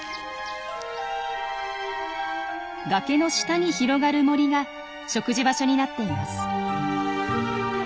崖の下に広がる森が食事場所になっています。